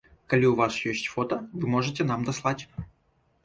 Калі ў вас ёсць фота, вы можаце нам даслаць.